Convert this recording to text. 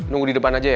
nunggu di depan aja ya